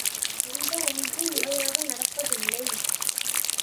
எந்த ஒன்றும் முறையாக நடப்பதில்லை.